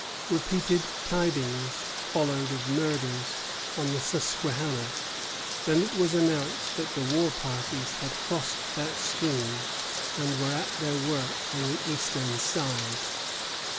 Repeated tidings followed of murders on the Susquehanna; then it was announced that the war parties had crossed that stream, and were at their work on the eastern side.